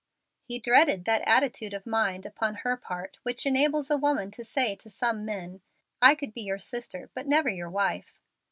He dreaded that attitude of mind upon her part which enables a woman to say to some men, "I could be your sister, but never your wife."